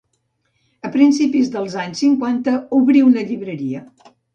A principis dels anys cinquanta, obrí una llibreria.